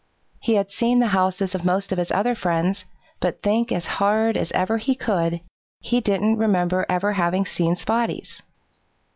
He had seen the houses of most of his other friends, but think as hard as ever he could, he didn't remember having seen Spotty's.